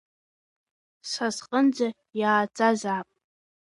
Са сҟынӡа иааӡазаап.